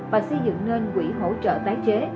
và xây dựng nên quỹ hỗ trợ tái chế